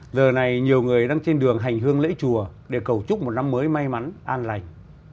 giờ này nhiều người đang trên đường hành hương lễ chùa để cầu chúc một năm mới may mắn an lành